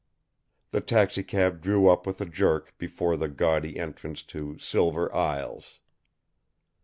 The taxicab drew up with a jerk before the gaudy entrance to Silver Aisles.